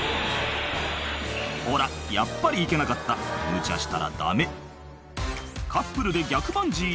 ほらやっぱり行けなかったむちゃしたらダメカップルで逆バンジー